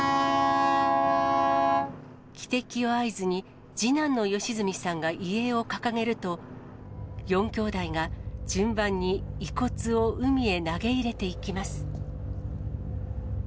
汽笛を合図に、次男の良純さんが遺影を掲げると、４兄弟が順番に遺骨を海へ投げ入れていきます。